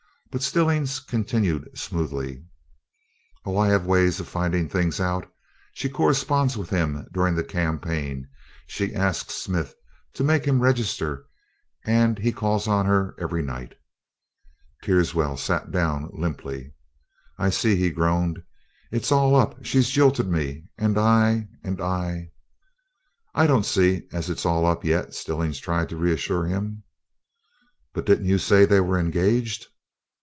But Stillings continued smoothly: "Oh, I have ways of finding things out. She corresponds with him during the campaign; she asks Smith to make him Register; and he calls on her every night." Teerswell sat down limply. "I see," he groaned. "It's all up. She's jilted me and I and I " "I don't see as it's all up yet," Stillings tried to reassure him. "But didn't you say they were engaged?"